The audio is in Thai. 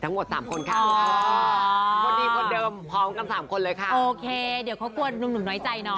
สามคนค่ะคนดีคนเดิมพร้อมกันสามคนเลยค่ะโอเคเดี๋ยวเขากลัวหนุ่มน้อยใจเนาะ